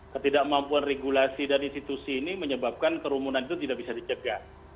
ketidakmampuan regulasi dan institusi ini menyebabkan kerumunan itu tidak bisa dicegah